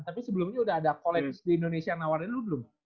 tapi sebelumnya udah ada collaps di indonesia nawarin lu belum